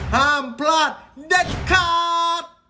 ห้ามพลาดได้คราบ